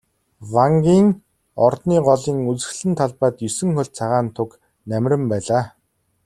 Вангийн ордны голын үзэсгэлэнт талбайд есөн хөлт цагаан туг намиран байлаа.